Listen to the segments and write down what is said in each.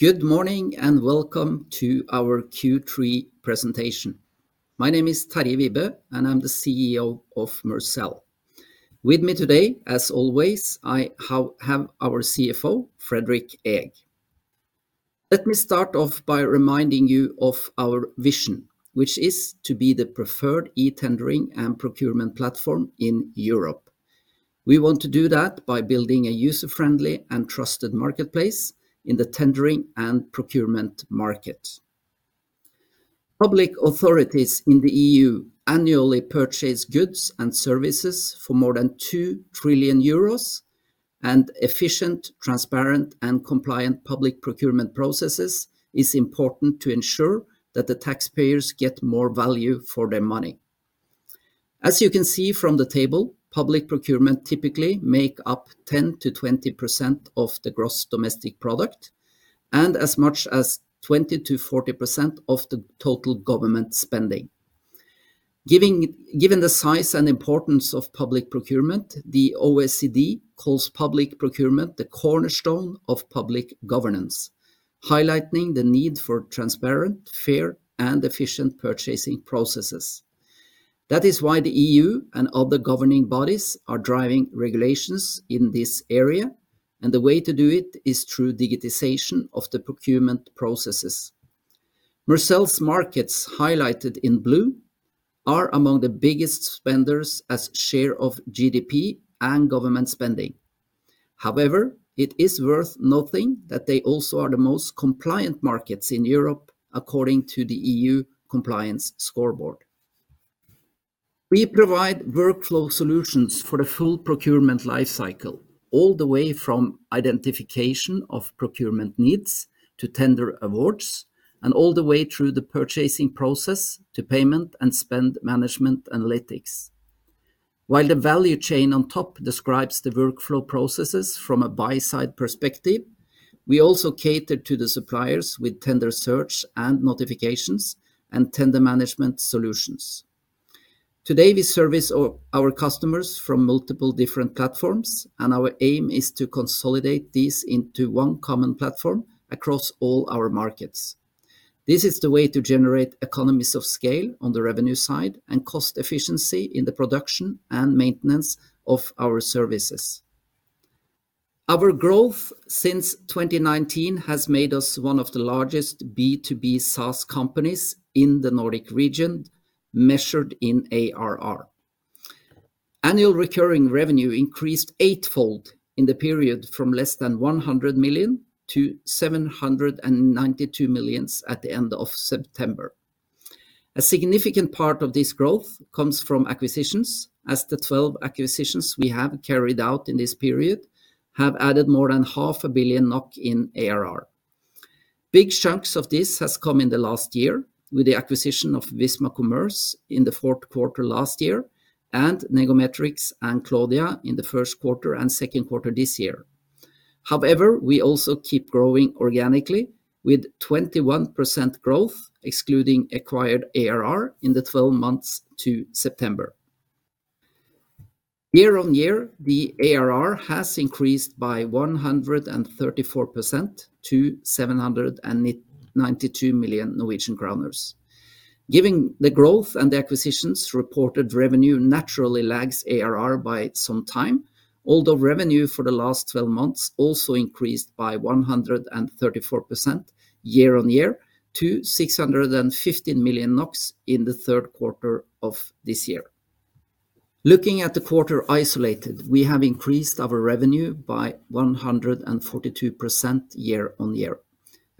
Good morning and welcome to our Q3 presentation. My name is Terje Wibe, and I'm the CEO of Mercell. With me today, as always, I have our CFO, Fredrik Eeg. Let me start off by reminding you of our vision, which is to be the preferred e-tendering and procurement platform in Europe. We want to do that by building a user-friendly and trusted marketplace in the tendering and procurement market. Public authorities in the E.U. annually purchase goods and services for more than 2 trillion euros, and efficient, transparent, and compliant public procurement processes is important to ensure that the taxpayers get more value for their money. As you can see from the table, public procurement typically make up 10%-20% of the gross domestic product, and as much as 20%-40% of the total government spending. Given the size and importance of public procurement, the OECD calls public procurement the cornerstone of public governance, highlighting the need for transparent, fair, and efficient purchasing processes. That is why the E.U. and other governing bodies are driving regulations in this area, and the way to do it is through digitization of the procurement processes. Mercell's markets, highlighted in blue, are among the biggest spenders as share of GDP and government spending. However, it is worth noting that they also are the most compliant markets in Europe according to the Single Market Scoreboard. We provide workflow solutions for the full procurement life cycle, all the way from identification of procurement needs to tender awards, and all the way through the purchasing process to payment and spend management analytics. While the value chain on top describes the workflow processes from a buy-side perspective, we also cater to the suppliers with tender search and notifications and tender management solutions. Today, we service our customers from multiple different platforms, and our aim is to consolidate these into one common platform across all our markets. This is the way to generate economies of scale on the revenue side and cost efficiency in the production and maintenance of our services. Our growth since 2019 has made us one of the largest B2B SaaS companies in the Nordic region, measured in ARR. Annual recurring revenue increased eightfold in the period from less than 100 million to 792 million at the end of September. A significant part of this growth comes from acquisitions, as the 12 acquisitions we have carried out in this period have added more than half a billion NOK in ARR. Big chunks of this has come in the last year with the acquisition of Visma Commerce in the fourth quarter last year and Negometrix and Cloudia in the first quarter and second quarter this year. However, we also keep growing organically with 21% growth, excluding acquired ARR in the 12 months to September. Year-on-year, the ARR has increased by 134% to 792 million Norwegian kroner. Given the growth and the acquisitions, reported revenue naturally lags ARR by some time, although revenue for the last twelve months also increased by 134% year-over-year to 615 million NOK in the third quarter of this year. Looking at the quarter in isolation, we have increased our revenue by 142% year-over-year.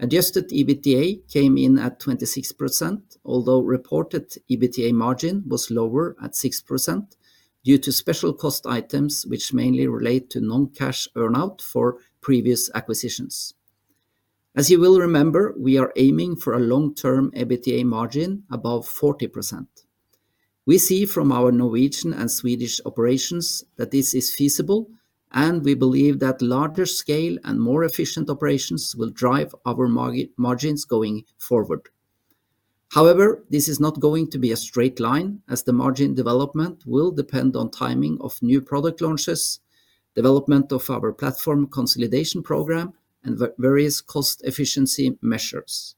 Adjusted EBITDA came in at 26%, although reported EBITDA margin was lower at 6% due to special cost items which mainly relate to non-cash earn-out for previous acquisitions. As you will remember, we are aiming for a long-term EBITDA margin above 40%. We see from our Norwegian and Swedish operations that this is feasible, and we believe that larger scale and more efficient operations will drive our margins going forward. However, this is not going to be a straight line, as the margin development will depend on timing of new product launches, development of our platform consolidation program, and various cost efficiency measures.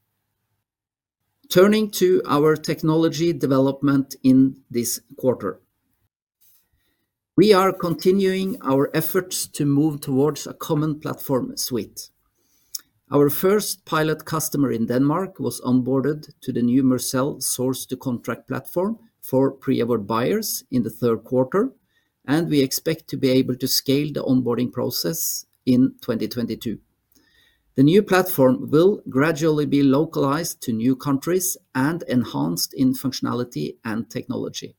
Turning to our technology development in this quarter. We are continuing our efforts to move towards a common platform suite. Our first pilot customer in Denmark was onboarded to the new Mercell Source-to-Contract platform for pre-award buyers in the third quarter, and we expect to be able to scale the onboarding process in 2022. The new platform will gradually be localized to new countries and enhanced in functionality and technology.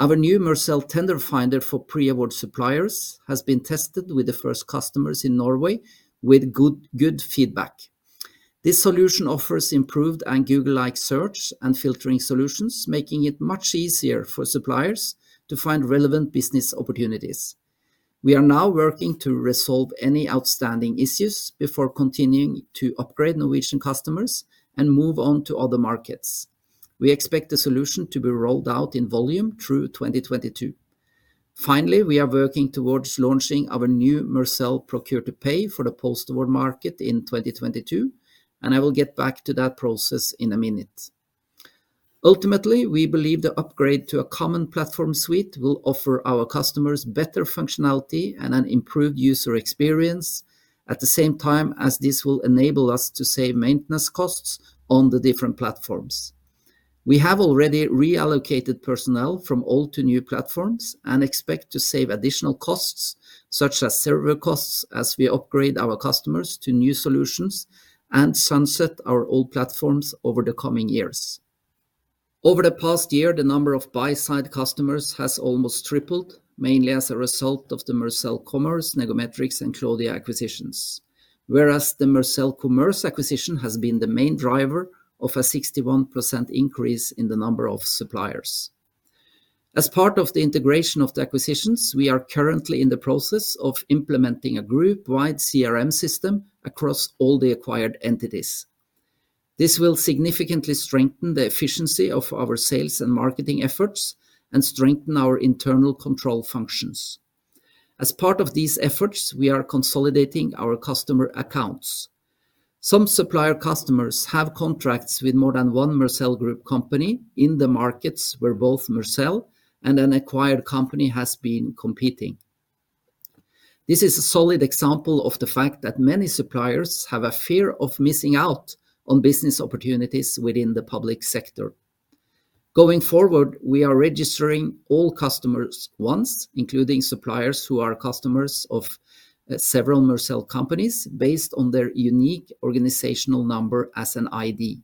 Our new Mercell Tender Finder for pre-award suppliers has been tested with the first customers in Norway with good feedback. This solution offers improved and Google-like search and filtering solutions, making it much easier for suppliers to find relevant business opportunities. We are now working to resolve any outstanding issues before continuing to upgrade Norwegian customers and move on to other markets. We expect the solution to be rolled out in volume through 2022. Finally, we are working towards launching our new Mercell Procure-to-Pay for the post-award market in 2022, and I will get back to that process in a minute. Ultimately, we believe the upgrade to a common platform suite will offer our customers better functionality and an improved user experience at the same time as this will enable us to save maintenance costs on the different platforms. We have already reallocated personnel from old to new platforms and expect to save additional costs, such as server costs as we upgrade our customers to new solutions and sunset our old platforms over the coming years. Over the past year, the number of buy-side customers has almost tripled, mainly as a result of the Mercell Commerce, Negometrix, and Cloudia acquisitions. Whereas the Mercell Commerce acquisition has been the main driver of a 61% increase in the number of suppliers. As part of the integration of the acquisitions, we are currently in the process of implementing a group-wide CRM system across all the acquired entities. This will significantly strengthen the efficiency of our sales and marketing efforts and strengthen our internal control functions. As part of these efforts, we are consolidating our customer accounts. Some supplier customers have contracts with more than one Mercell Group company in the markets where both Mercell and an acquired company has been competing. This is a solid example of the fact that many suppliers have a fear of missing out on business opportunities within the public sector. Going forward, we are registering all customers once, including suppliers who are customers of several Mercell companies based on their unique organizational number as an ID.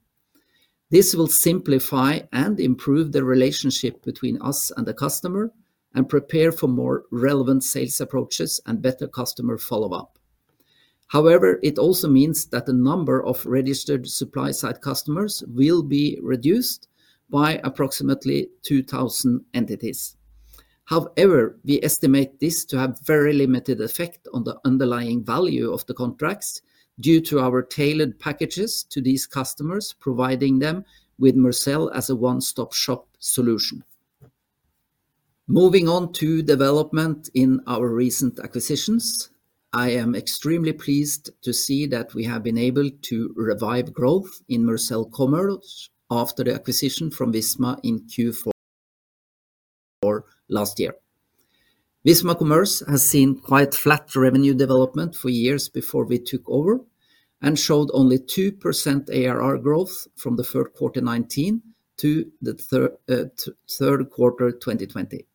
This will simplify and improve the relationship between us and the customer and prepare for more relevant sales approaches and better customer follow-up. However, it also means that the number of registered supply-side customers will be reduced by approximately 2,000 entities. However, we estimate this to have very limited effect on the underlying value of the contracts due to our tailored packages to these customers, providing them with Mercell as a one-stop shop solution. Moving on to development in our recent acquisitions, I am extremely pleased to see that we have been able to revive growth in Mercell Commerce after the acquisition from Visma in Q4 last year. Visma Commerce has seen quite flat revenue development for years before we took over and showed only 2% ARR growth from the third quarter 2019 to the third quarter 2020.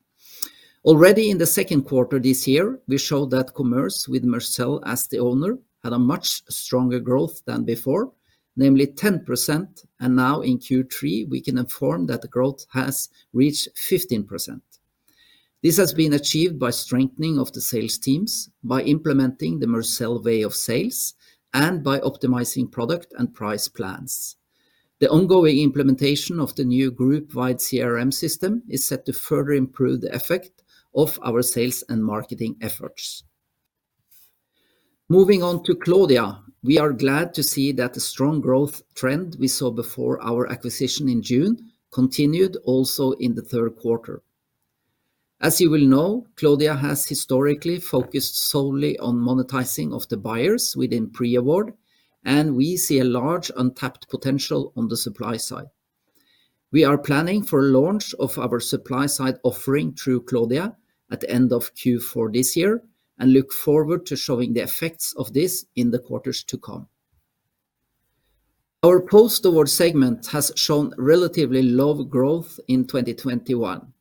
Already in the second quarter this year, we showed that Commerce with Mercell as the owner had a much stronger growth than before, namely 10%, and now in Q3, we can inform that the growth has reached 15%. This has been achieved by strengthening of the sales teams, by implementing the Mercell way of sales, and by optimizing product and price plans. The ongoing implementation of the new group-wide CRM system is set to further improve the effect of our sales and marketing efforts. Moving on to Cloudia, we are glad to see that the strong growth trend we saw before our acquisition in June continued also in the third quarter. As you will know, Cloudia has historically focused solely on monetizing of the buyers within pre-award, and we see a large untapped potential on the supply side. We are planning for launch of our supply side offering through Cloudia at end of Q4 this year and look forward to showing the effects of this in the quarters to come. Our post-award segment has shown relatively low growth in 2021.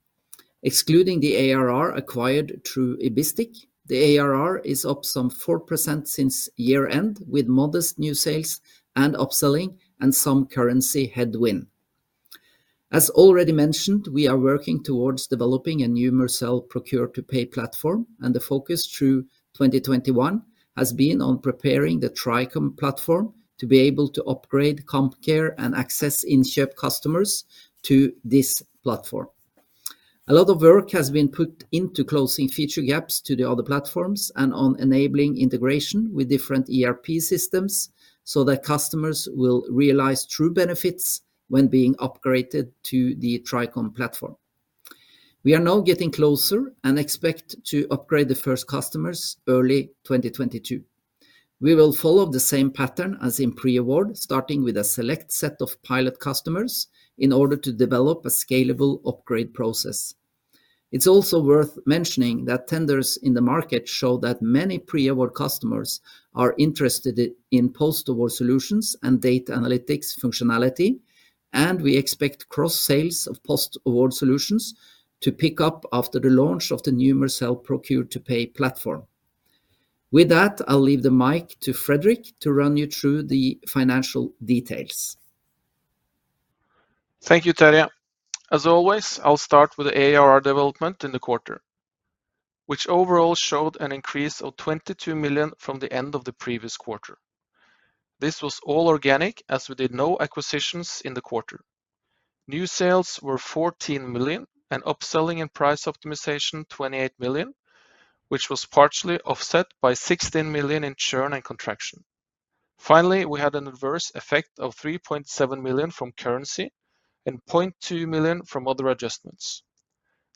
Excluding the ARR acquired through Ibistic, the ARR is up some 4% since year-end with modest new sales and upselling and some currency headwind. As already mentioned, we are working towards developing a new Mercell Procure-to-Pay platform, and the focus through 2021 has been on preparing the Tricom platform to be able to upgrade CompCare and Aksess Innkjøp customers to this platform. A lot of work has been put into closing feature gaps to the other platforms and on enabling integration with different ERP systems so that customers will realize true benefits when being upgraded to the Tricom platform. We are now getting closer and expect to upgrade the first customers early 2022. We will follow the same pattern as in pre-award, starting with a select set of pilot customers in order to develop a scalable upgrade process. It's also worth mentioning that tenders in the market show that many pre-award customers are interested in post-award solutions and data analytics functionality, and we expect cross sales of post-award solutions to pick up after the launch of the new Mercell Procure-to-Pay platform. With that, I'll leave the mic to Fredrik to run you through the financial details. Thank you, Terje. As always, I'll start with the ARR development in the quarter, which overall showed an increase of 22 million from the end of the previous quarter. This was all organic, as we did no acquisitions in the quarter. New sales were 14 million, and upselling and price optimization 28 million, which was partially offset by 16 million in churn and contraction. Finally, we had an adverse effect of 3.7 million from currency and 0.2 million from other adjustments.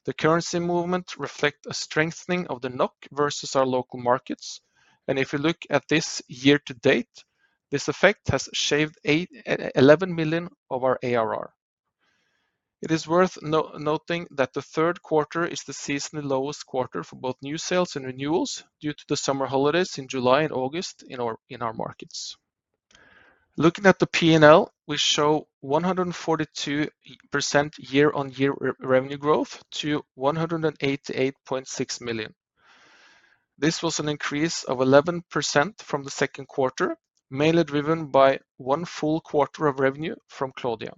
The currency movement reflects a strengthening of the NOK versus our local markets. If you look at this year to date, this effect has shaved 11 million of our ARR. It is worth noting that the third quarter is the seasonally lowest quarter for both new sales and renewals due to the summer holidays in July and August in our markets. Looking at the P&L, we show 142% year-on-year revenue growth to 188.6 million. This was an increase of 11% from the second quarter, mainly driven by one full quarter of revenue from Cloudia.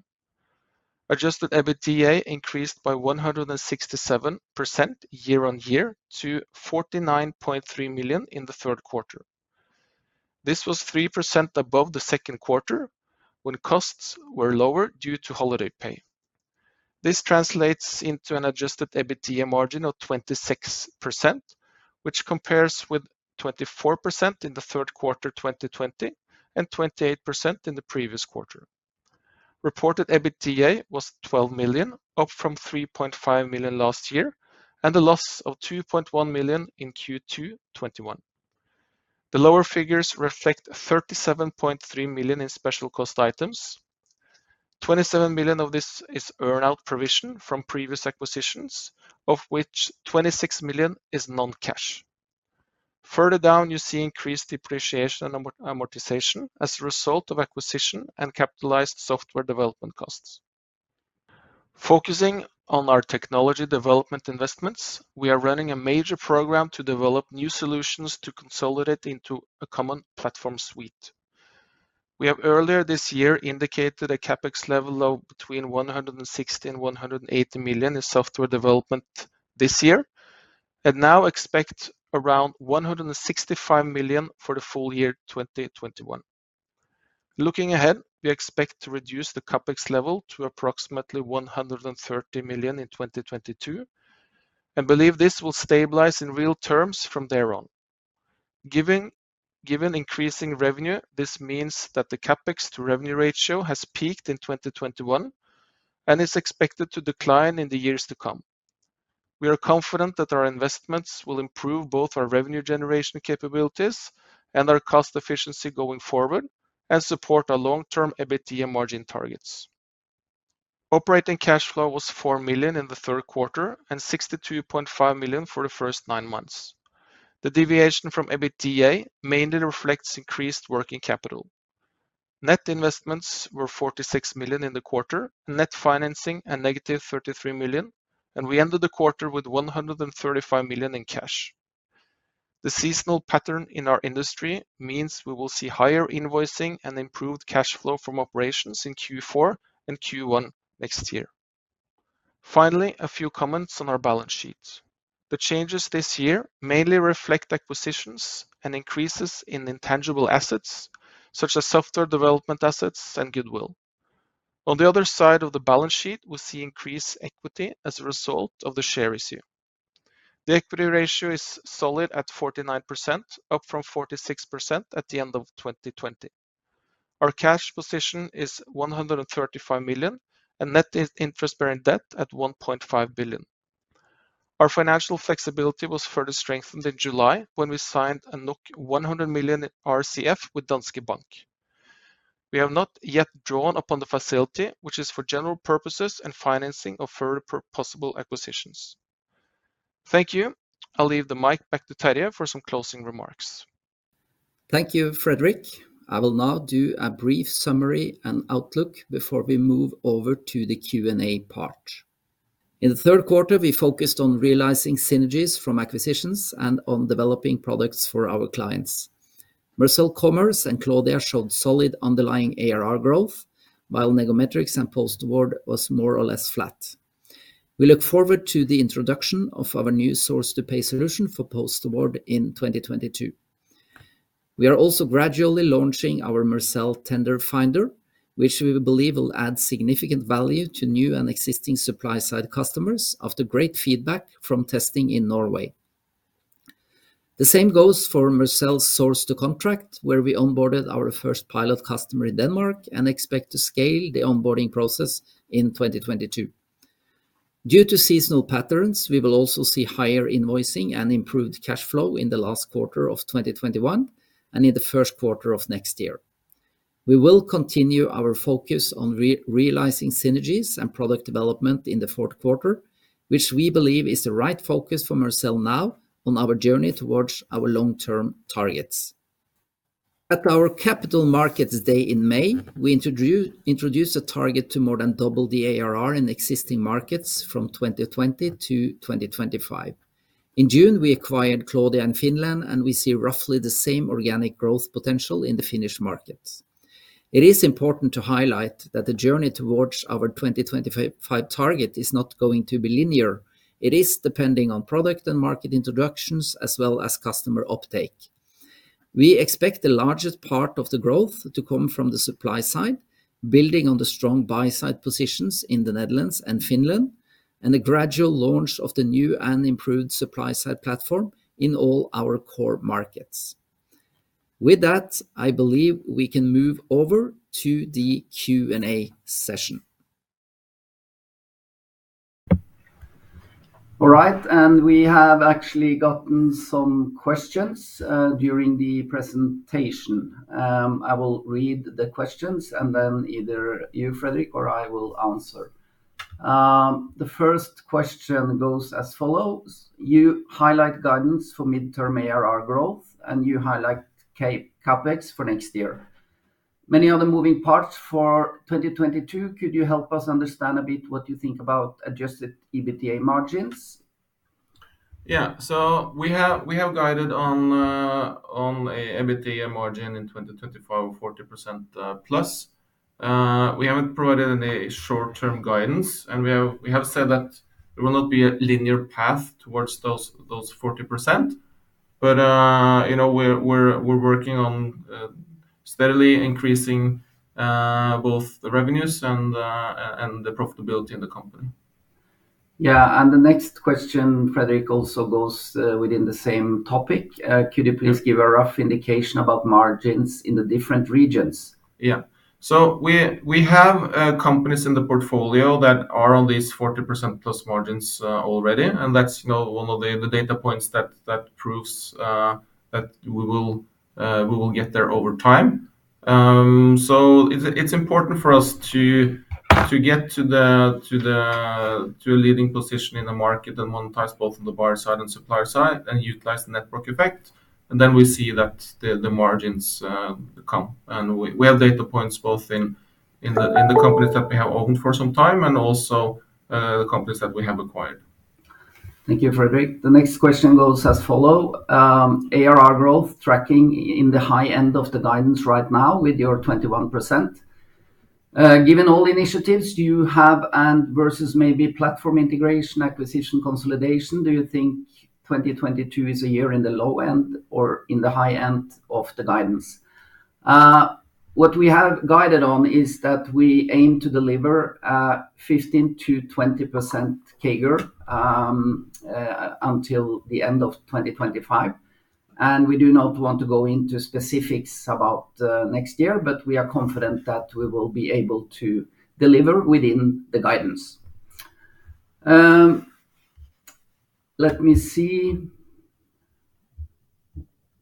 Adjusted EBITDA increased by 167% year-on-year to 49.3 million in the third quarter. This was 3% above the second quarter, when costs were lower due to holiday pay. This translates into an adjusted EBITDA margin of 26%, which compares with 24% in the third quarter 2020 and 28% in the previous quarter. Reported EBITDA was 12 million, up from 3.5 million last year, and a loss of 2.1 million in Q2 2021. The lower figures reflect 37.3 million in special cost items. 27 million of this is earn-out provision from previous acquisitions, of which 26 million is non-cash. Further down, you see increased depreciation and amortization as a result of acquisition and capitalized software development costs. Focusing on our technology development investments, we are running a major program to develop new solutions to consolidate into a common platform suite. We have earlier this year indicated a CapEx level of between 160 million and 180 million in software development this year and now expect around 165 million for the full year 2021. Looking ahead, we expect to reduce the CapEx level to approximately 130 million in 2022 and believe this will stabilize in real terms from there on. Given increasing revenue, this means that the CapEx to revenue ratio has peaked in 2021 and is expected to decline in the years to come. We are confident that our investments will improve both our revenue generation capabilities and our cost efficiency going forward and support our long-term EBITDA margin targets. Operating cash flow was 4 million in the third quarter and 62.5 million for the first nine months. The deviation from EBITDA mainly reflects increased working capital. Net investments were 46 million in the quarter, net financing -33 million, and we ended the quarter with 135 million in cash. The seasonal pattern in our industry means we will see higher invoicing and improved cash flow from operations in Q4 and Q1 next year. Finally, a few comments on our balance sheet. The changes this year mainly reflect acquisitions and increases in intangible assets, such as software development assets and goodwill. On the other side of the balance sheet, we see increased equity as a result of the share issue. The equity ratio is solid at 49%, up from 46% at the end of 2020. Our cash position is 135 million, and net interest-bearing debt at 1.5 billion. Our financial flexibility was further strengthened in July when we signed a 100 million RCF with Danske Bank. We have not yet drawn upon the facility, which is for general purposes and financing of further possible acquisitions. Thank you. I'll leave the mic back to Terje for some closing remarks. Thank you, Fredrik. I will now do a brief summary and outlook before we move over to the Q&A part. In the third quarter, we focused on realizing synergies from acquisitions and on developing products for our clients. Mercell Commerce and Cloudia showed solid underlying ARR growth, while Negometrix and post-award was more or less flat. We look forward to the introduction of our new source-to-pay solution for post-award in 2022. We are also gradually launching our Mercell Tender Finder, which we believe will add significant value to new and existing supply side customers after great feedback from testing in Norway. The same goes for Mercell Source-to-Contract, where we onboarded our first pilot customer in Denmark and expect to scale the onboarding process in 2022. Due to seasonal patterns, we will also see higher invoicing and improved cash flow in the last quarter of 2021 and in the first quarter of next year. We will continue our focus on realizing synergies and product development in the fourth quarter, which we believe is the right focus for Mercell now on our journey towards our long-term targets. At our Capital Markets Day in May, we introduced a target to more than double the ARR in existing markets from 2020 to 2025. In June, we acquired Cloudia in Finland, and we see roughly the same organic growth potential in the Finnish markets. It is important to highlight that the journey towards our 2025 target is not going to be linear. It is depending on product and market introductions, as well as customer uptake. We expect the largest part of the growth to come from the supply side. Building on the strong buy side positions in the Netherlands and Finland, and the gradual launch of the new and improved supply side platform in all our core markets. With that, I believe we can move over to the Q&A session. All right. We have actually gotten some questions during the presentation. I will read the questions, and then either you, Fredrik, or I will answer. The first question goes as follows: You highlight guidance for midterm ARR growth, and you highlight CapEx for next year. Many other moving parts for 2022. Could you help us understand a bit what you think about adjusted EBITDA margins? We have guided on an EBITDA margin in 2025 of 40%+. We haven't provided any short-term guidance, and we have said that it will not be a linear path towards those 40%. You know, we're working on steadily increasing both the revenues and the profitability in the company. Yeah. The next question, Fredrik, also goes within the same topic. Could you please give a rough indication about margins in the different regions? Yeah. We have companies in the portfolio that are on these 40% plus margins already, and that's, you know, one of the data points that proves that we will get there over time. It's important for us to get to a leading position in the market and monetize both on the buyer side and supplier side and utilize the network effect. Then we see that the margins come, and we have data points both in the companies that we have owned for some time and also the companies that we have acquired. Thank you, Fredrik. The next question goes as follow. ARR growth tracking in the high end of the guidance right now with your 21%. Given all initiatives you have and versus maybe platform integration, acquisition consolidation, do you think 2022 is a year in the low end or in the high end of the guidance? What we have guided on is that we aim to deliver 15%-20% CAGR until the end of 2025, and we do not want to go into specifics about next year, but we are confident that we will be able to deliver within the guidance. Let me see.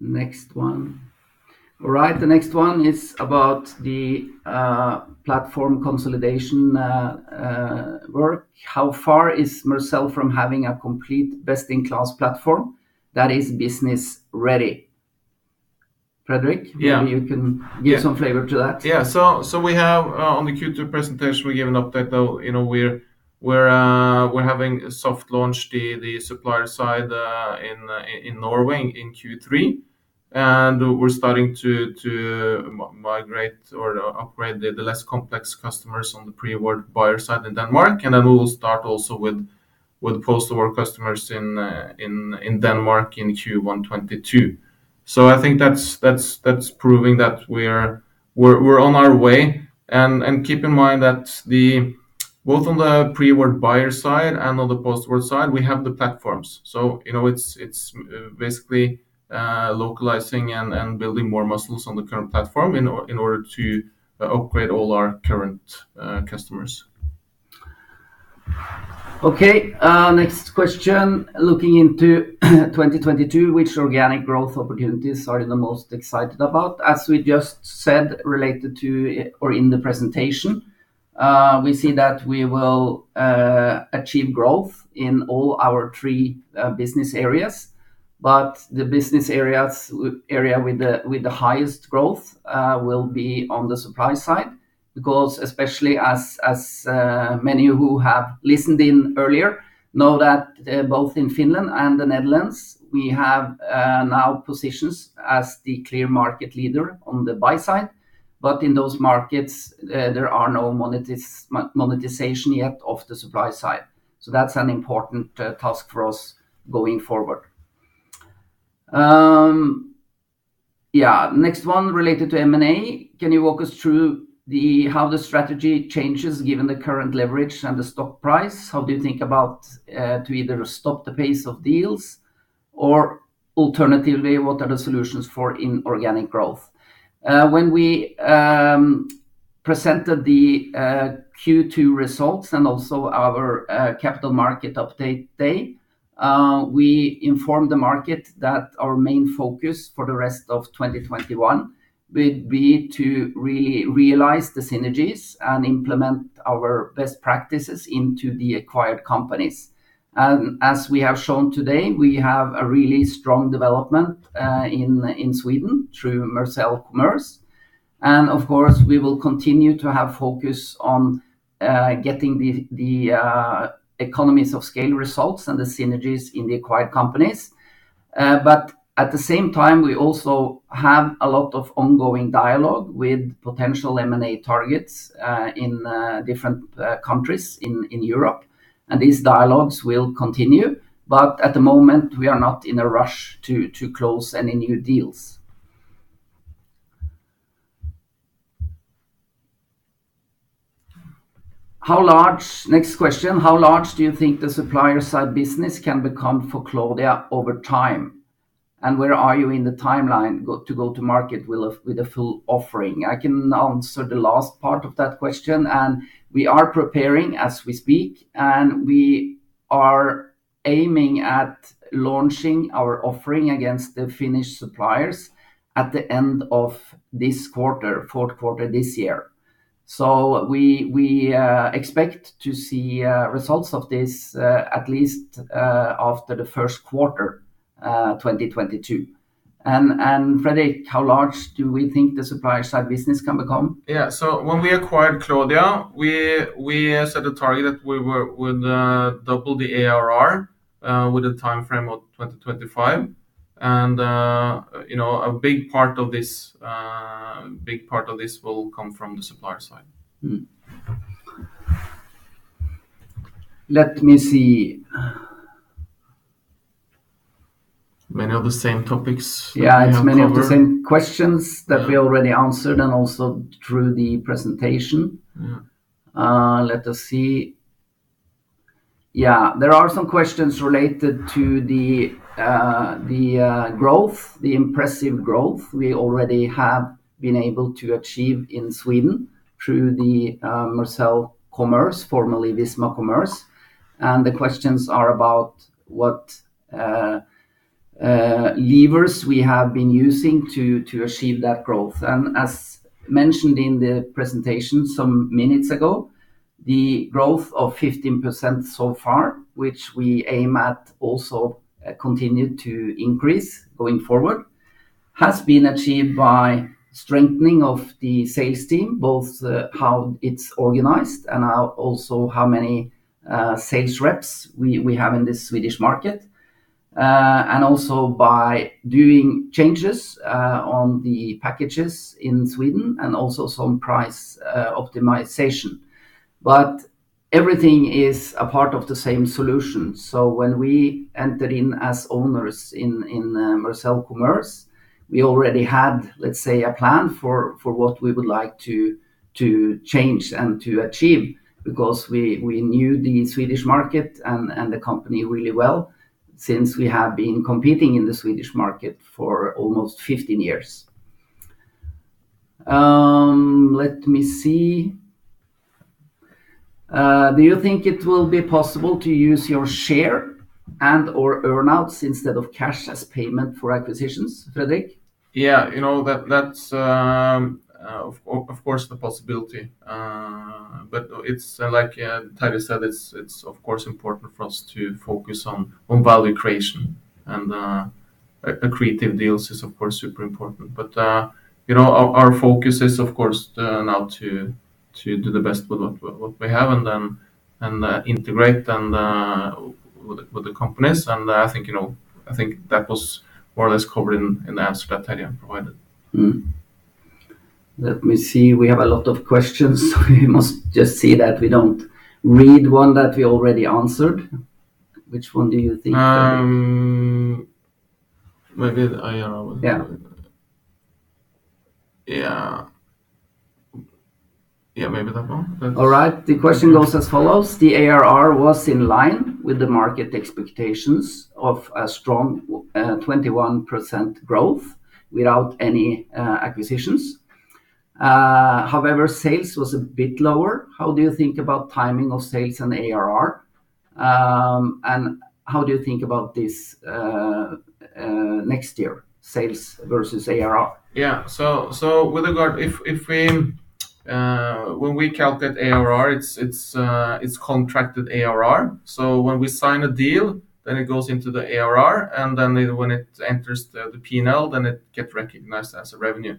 Next one. All right. The next one is about the platform consolidation work. How far is Mercell from having a complete best-in-class platform that is business ready? Fredrik- Yeah Maybe you can give some flavor to that. Yeah. We have on the Q2 presentation, we gave an update, you know, we're having soft launch the supplier side in Norway in Q3. We're starting to migrate or upgrade the less complex customers on the pre-award buyer side in Denmark. Then we will start also with post-award customers in Denmark in Q1 2022. I think that's proving that we're on our way. Keep in mind that both on the pre-award buyer side and on the post-award side, we have the platforms. You know, it's basically localizing and building more modules on the current platform in order to upgrade all our current customers. Okay. Next question. Looking into 2022, which organic growth opportunities are you the most excited about? As we just said, related to or in the presentation, we see that we will achieve growth in all our three business areas. The business area with the highest growth will be on the supply side because especially as many who have listened in earlier know that both in Finland and the Netherlands, we have now positions as the clear market leader on the buy side. In those markets, there are no monetization yet of the supply side. That's an important task for us going forward. Yeah. Next one related to M&A. Can you walk us through how the strategy changes given the current leverage and the stock price? How do you think about to either stop the pace of deals or alternatively, what are the solutions for inorganic growth? When we presented the Q2 results and also our capital market update day, we informed the market that our main focus for the rest of 2021 would be to really realize the synergies and implement our best practices into the acquired companies. As we have shown today, we have a really strong development in Sweden through Mercell Commerce. Of course, we will continue to have focus on getting the economies of scale results and the synergies in the acquired companies. At the same time, we also have a lot of ongoing dialogue with potential M&A targets in different countries in Europe. These dialogues will continue, but at the moment, we are not in a rush to close any new deals. How large—next question. How large do you think the supplier side business can become for Cloudia over time? Where are you in the timeline to go to market with a full offering? I can answer the last part of that question, and we are preparing as we speak, and we are aiming at launching our offering against the Finnish suppliers at the end of this quarter, fourth quarter this year. We expect to see results of this at least after the first quarter 2022. Fredrik, how large do we think the supplier side business can become? When we acquired Cloudia, we set a target that we'd double the ARR with a timeframe of 2025. You know, a big part of this will come from the supplier side. Let me see. Many of the same topics we have covered. Yeah. It's many of the same questions that we already answered and also through the presentation. Yeah. Let us see. There are some questions related to the growth, the impressive growth we already have been able to achieve in Sweden through the Mercell Commerce, formerly Visma Commerce. The questions are about what levers we have been using to achieve that growth. As mentioned in the presentation some minutes ago, the growth of 15% so far, which we aim at also continue to increase going forward, has been achieved by strengthening of the sales team, both how it's organized and also how many sales reps we have in the Swedish market. Also by doing changes on the packages in Sweden and also some price optimization. Everything is a part of the same solution. When we entered in as owners in Mercell Commerce, we already had, let's say, a plan for what we would like to change and to achieve because we knew the Swedish market and the company really well since we have been competing in the Swedish market for almost 15 years. Let me see. Do you think it will be possible to use your share and/or earn-outs instead of cash as payment for acquisitions, Fredrik? Yeah. You know, that's of course the possibility. It's like Terje said. It's of course important for us to focus on value creation and creative deals is of course super important. You know, our focus is of course now to do the best with what we have and then integrate with the companies. I think, you know, I think that was more or less covered in the answer that Terje provided. Let me see. We have a lot of questions. We must just see that we don't read one that we already answered. Which one do you think, Fredrik? Maybe the ARR one. Yeah. Yeah. Yeah, maybe that one. All right. The question goes as follows: The ARR was in line with the market expectations of a strong 21% growth without any acquisitions. However, sales was a bit lower. How do you think about timing of sales and ARR? How do you think about this next year, sales versus ARR? When we calculate ARR, it's contracted ARR. When we sign a deal, then it goes into the ARR, and when it enters the P&L, then it gets recognized as revenue.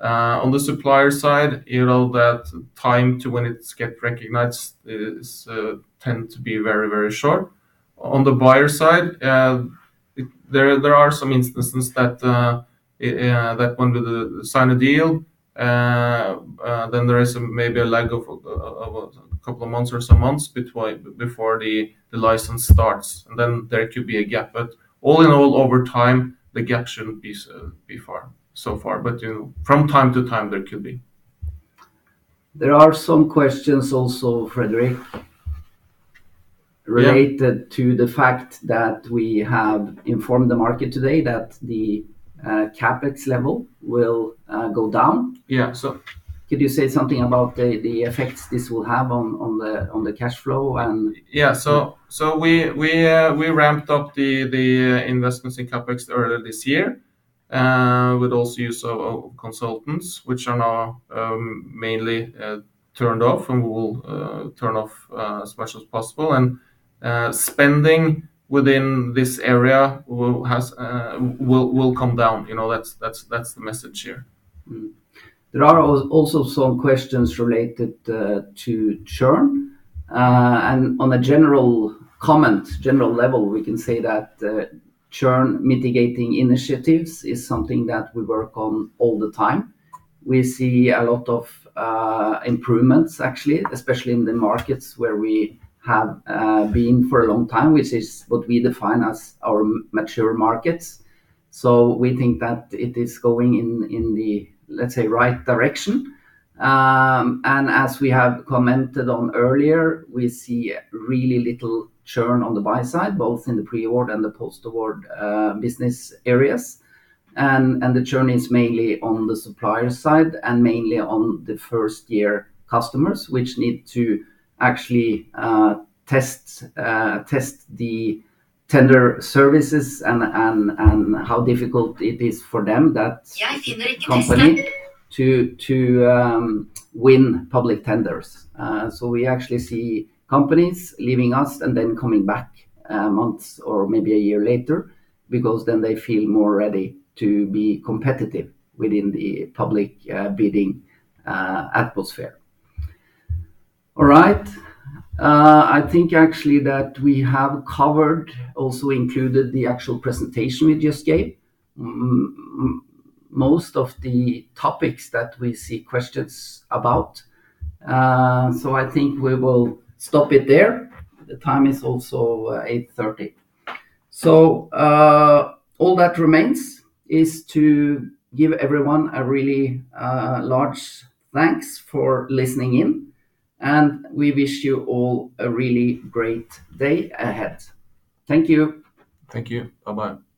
On the supplier side, you know that time to when it gets recognized tends to be very short. On the buyer side, there are some instances that when we sign a deal, then there is maybe a lag of a couple of months or some months before the license starts, and then there could be a gap. All in all, over time, the gap shouldn't be so far. You know, from time to time, there could be. There are some questions also, Fredrik. Yeah... related to the fact that we have informed the market today that the CapEx level will go down. Yeah. Could you say something about the effects this will have on the cash flow and- Yeah. We ramped up the investments in CapEx earlier this year with the use of consultants, which are now mainly turned off, and we will turn off as much as possible. Spending within this area will come down. You know, that's the message here. There are also some questions related to churn. On a general comment, general level, we can say that churn mitigating initiatives is something that we work on all the time. We see a lot of improvements actually, especially in the markets where we have been for a long time, which is what we define as our mature markets. We think that it is going in the, let's say, right direction. As we have commented on earlier, we see really little churn on the buy side, both in the pre-award and the post-award business areas. The churn is mainly on the supplier side and mainly on the first-year customers, which need to actually test the tender services and how difficult it is for them. company to win public tenders. We actually see companies leaving us and then coming back, months or maybe a year later because then they feel more ready to be competitive within the public, bidding, atmosphere. All right. I think actually that we have covered, also included the actual presentation we just gave, most of the topics that we see questions about. I think we will stop it there. The time is also 8:30. All that remains is to give everyone a really large thanks for listening in, and we wish you all a really great day ahead. Thank you. Thank you. Bye-bye.